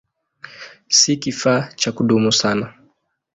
Si kifaa cha kudumu sana.